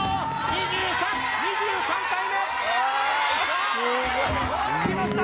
２３２３回目いきました